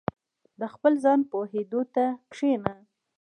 • د خپل ځان پوهېدو ته کښېنه.